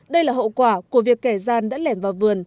đây là hậu quả của việc kẻ gian đã lẻn vào vườn